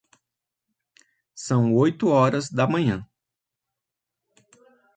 São oito horas da manhã.